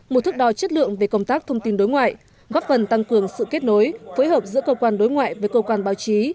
một thức đo chất lượng về công tác thông tin đối ngoại góp phần tăng cường sự kết nối phối hợp giữa cơ quan đối ngoại với cơ quan báo chí